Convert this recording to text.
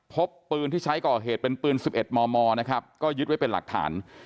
พบปืนที่ใช้ก่อเหตุเป็นปืน๑๑มมนะครับก็ยึดไว้เป็นหลักฐาน